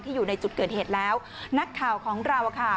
อยู่ในจุดเกิดเหตุแล้วนักข่าวของเราอ่ะค่ะ